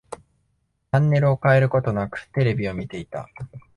チャンネルを変えることなく、テレビを見ていた。